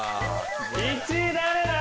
１位誰だ？